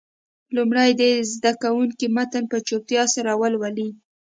لومړی دې زده کوونکي متن په چوپتیا سره ولولي.